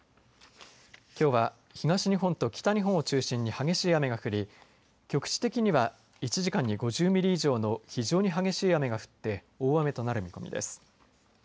きょうは東日本と北日本を中心に激しい雨が降り局地的には１時間に５０ミリ以上の非常に激しい雨が降って大雨となる見込みです。